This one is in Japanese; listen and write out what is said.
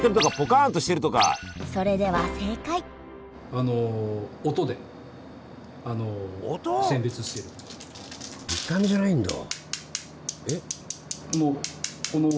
それでは正解あの見た目じゃないんだ？